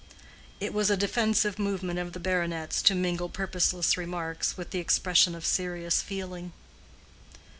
It was a defensive movement of the baronet's to mingle purposeless remarks with the expression of serious feeling.